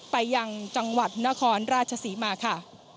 ไปยังจังหวัดนครราชศรีมาค่ะ